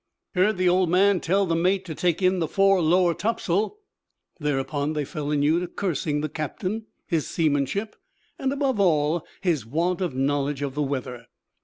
'Heard the Old Man tell the mate to take in the fore lower tops'l.' Thereupon they fell anew to cursing the captain, his seamanship, and, above all, his want of knowledge of the weather.